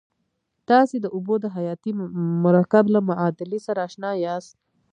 تاسې د اوبو د حیاتي مرکب له معادلې سره آشنا یاست.